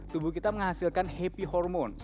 tubuh kita menghasilkan happy hormon